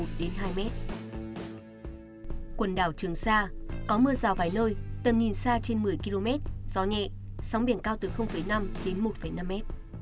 quần đảo trường sa có mưa rào vài nơi tầm nhìn xa trên một mươi km gió nhẹ sóng biển cao từ năm đến một năm mét